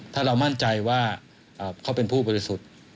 ถ้าเรามั่นใจว่าเขาเป็นผู้บริสุทธิ์